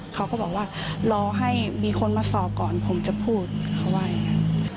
เขาก็บอกว่ารอให้มีคนมาสอบก่อนผมจะพูดเขาว่าอย่างนั้น